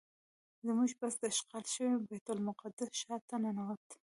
زموږ بس د اشغال شوي بیت المقدس ښار ته ننوت.